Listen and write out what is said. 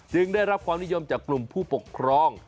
ได้รับความนิยมจากกลุ่มผู้ปกครอง